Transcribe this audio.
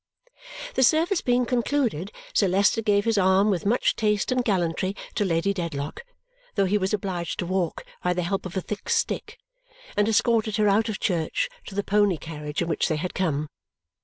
The service being concluded, Sir Leicester gave his arm with much taste and gallantry to Lady Dedlock though he was obliged to walk by the help of a thick stick and escorted her out of church to the pony carriage in which they had come.